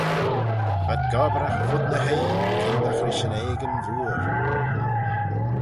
V'ad gobbragh fud ny hoie kindagh rish yn egin vooar.